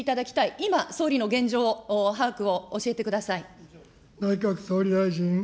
今、総理の現状把握を教えてください。